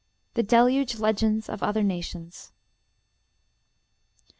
THE DELUGE LEGENDS OF OTHER NATIONS.